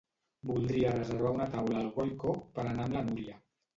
Voldria reservar una taula al Goiko per anar amb la Núria.